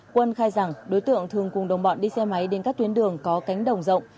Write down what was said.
quân khai rằng đối tượng thường cùng đồng bọn đi xe máy đến các tuyến đường có cánh đồng rộng